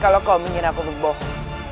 baiklah kalau kau ingin aku berbohong